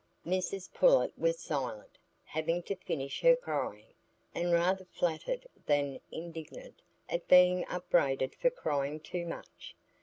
Mrs Pullet was silent, having to finish her crying, and rather flattered than indignant at being upbraided for crying too much.